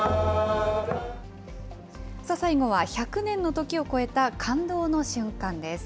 最後は１００年の時を超えた感動の瞬間です。